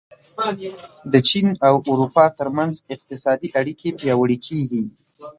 د چین او اروپا ترمنځ اقتصادي اړیکې پیاوړې کېږي.